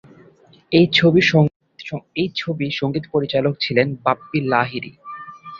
এই ছবি সঙ্গীত পরিচালক ছিলেন বাপ্পী লাহিড়ী।